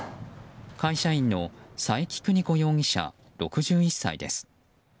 会社員の佐伯久仁子容疑者、６１歳です。